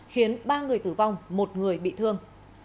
khiến ba người tử vong một người bị thương